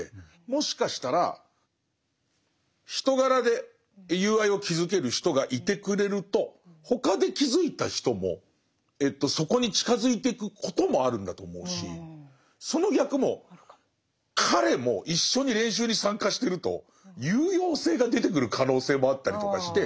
もしかしたら人柄で友愛を築ける人がいてくれると他で築いた人もそこに近づいてくこともあるんだと思うしその逆も彼も一緒に練習に参加してると有用性が出てくる可能性もあったりとかして。